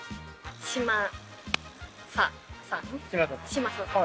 嶋佐さん？